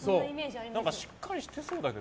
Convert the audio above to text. しっかりしてそうだけど。